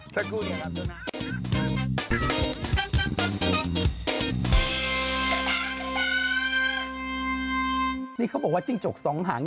ที่นี่เขาบอกว่าจิ้งจกสองห่าง